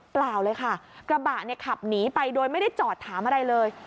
เปล่าเลยค่ะกระบะเนี่ยขับหนีไปโดยไม่ได้จอดถามอะไรเลย